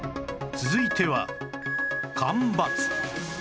続いては干ばつ